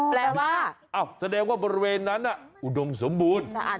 แปลว่าแสดงว่าบริเวณนั้นอุดมสมบูรณ์